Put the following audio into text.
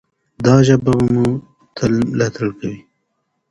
دا ژبه به مو تل ملاتړ کوي.